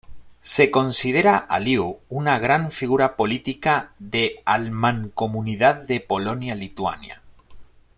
Se considera a Lew una gran figura política de al Mancomunidad de Polonia-Lituania.